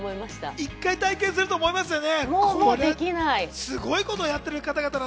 一見、体験すると思いますよね。